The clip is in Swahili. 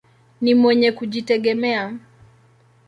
Ni mwenye kujitegemea.